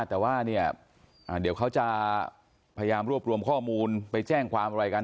แต่ว่าเนี่ยเดี๋ยวเขาจะพยายามรวบรวมข้อมูลไปแจ้งความอะไรกัน